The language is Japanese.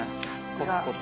コツコツ。